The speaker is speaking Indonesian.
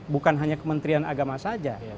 bukan hanya kementerian agama saja